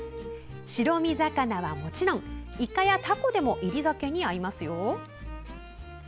白身魚はもちろんイカやタコでも煎り酒に合いますよ。